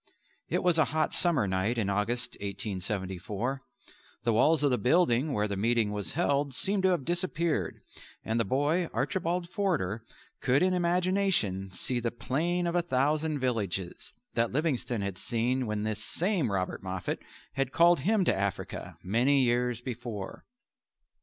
It was a hot summer night in August (1874). The walls of the building where the meeting was held seemed to have disappeared and the boy Archibald Forder could in imagination see "the plain of a thousand villages," that Livingstone had seen when this same Robert Moffat had called him to Africa many years before.